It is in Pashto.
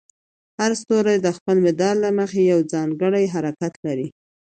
هر ستوری د خپل مدار له مخې یو ځانګړی حرکت لري.